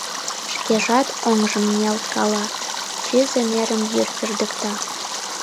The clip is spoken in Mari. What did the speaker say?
Шкежат оҥжым ниялткала, чызе нерым йыр пӧрдыкта.